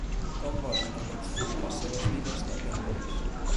Com volen reconstruir les seves vides, depèn d'ells.